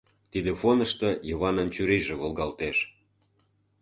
Тиде фонышто Йыванын чурийже волгалтеш.